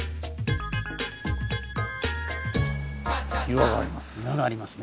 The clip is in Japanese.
岩があります。